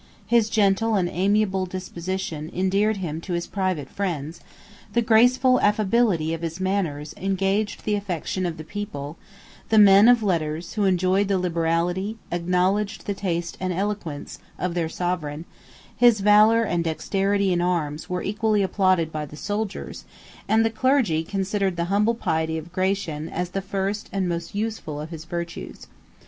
His gentle and amiable disposition endeared him to his private friends, the graceful affability of his manners engaged the affection of the people: the men of letters, who enjoyed the liberality, acknowledged the taste and eloquence, of their sovereign; his valor and dexterity in arms were equally applauded by the soldiers; and the clergy considered the humble piety of Gratian as the first and most useful of his virtues.